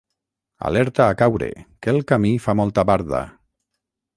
Alerta a caure, que el camí fa molta barda.